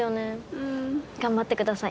うん。頑張ってください。